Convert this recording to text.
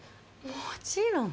もちろん！